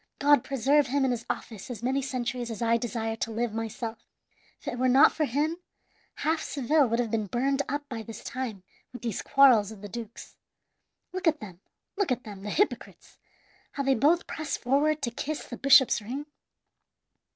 God preserve him in his office as many centuries as I desire to live myself! If it were not for him, half Seville would have been burned up by this time with these quarrels of the dukes. Look at them, look at them, the hypocrites, how they both press forward to kiss the bishop's ring!